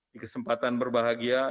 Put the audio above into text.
di kesempatan berbahagia